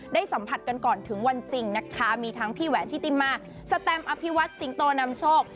ได้สัมผัสกันก่อนถึงวันจริงนะคะมีทั้งพี่แหวนทิติมาสแตมอภิวัตสิงโตนำโชค